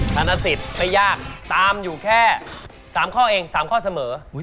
ธนสิทธิ์ไม่ยากตามอยู่แค่๓ข้อเอง๓ข้อเสมอ